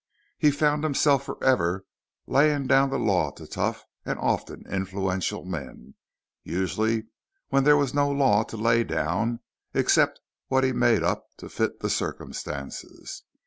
He found himself forever laying down the law to tough and often influential men: usually when there was no law to lay down except what he made up to fit the circumstances.